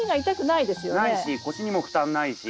ないし腰にも負担ないし。